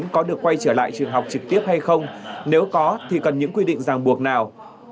có được quay trở lại trường học trực tiếp hay không nếu có thì cần những quy định ràng buộc nào